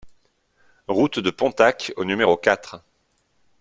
Route de Pontacq au numéro quatre